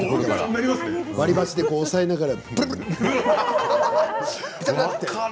割り箸で押さえながら、ぷるぷる。